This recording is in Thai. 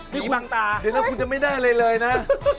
มีบางตาเดี๋ยวนะคุณจะไม่ได้อะไรเลยนะ